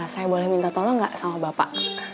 saya boleh minta tolong gak sama bapak